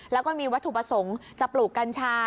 แล้วก็มีวัตถุประสงค์จะปลูกกัญชา